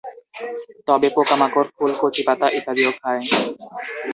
তবে পোকামাকড়, ফুল, কচি পাতা ইত্যাদিও খায়।